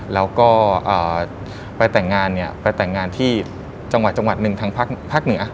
แล้วก็ไปแต่งงานที่จังหวัดหนึ่งทางภาคเหนือ